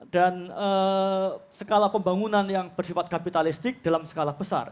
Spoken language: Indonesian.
dan skala pembangunan yang bersifat kapitalistik dalam skala besar